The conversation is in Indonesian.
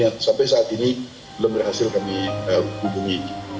yang sampai saat ini belum berhasil kami hubungi